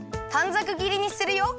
ざくぎりにするよ。